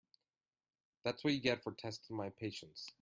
That’s what you get for testing my patience.